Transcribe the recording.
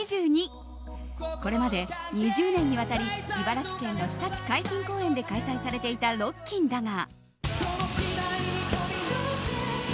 これまで２０年にわたり茨城県のひたち海浜公園で開催されていたロッキンだが。